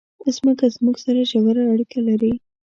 مځکه زموږ سره ژوره اړیکه لري.